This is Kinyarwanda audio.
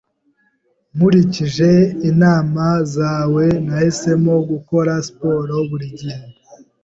Nkurikije inama zawe, Nahisemo gukora siporo buri gihe.